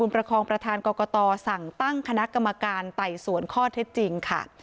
ประคองประธานกรกตสั่งตั้งคณะกรรมการไต่สวนข้อเท็จจริงค่ะ